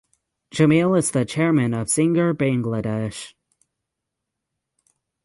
Jamil is the Chairman of Singer Bangladesh.